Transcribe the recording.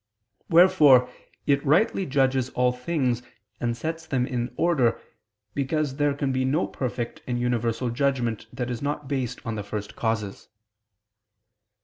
Wherefore it rightly judges all things and sets them in order, because there can be no perfect and universal judgment that is not based on the first causes.